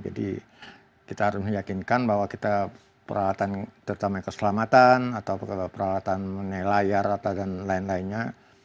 jadi kita harus meyakinkan bahwa kita peralatan terutama keselamatan atau peralatan layar dan lain lainnya